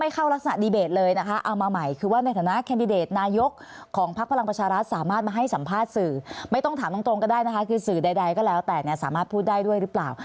ก็ได้นะคะคือสื่อใดก็แล้วแต่สามารถพูดได้ด้วยหรือเปล่า